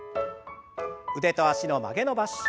腕と脚の曲げ伸ばし。